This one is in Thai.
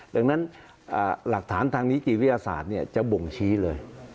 ดังนั้นหลักฐานทางนิติวิทยาศาสตร์จะบ่งชี้เลย